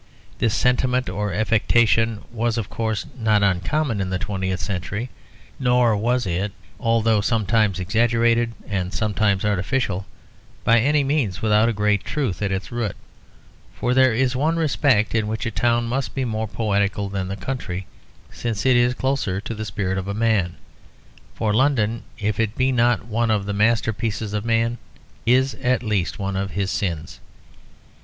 This sentiment or affectation was, of course, not uncommon in the twentieth century, nor was it, although sometimes exaggerated, and sometimes artificial, by any means without a great truth at its root, for there is one respect in which a town must be more poetical than the country, since it is closer to the spirit of man; for London, if it be not one of the masterpieces of man, is at least one of his sins.